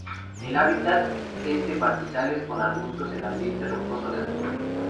El hábitat es de pastizales con arbustos en ambiente rocoso de altura.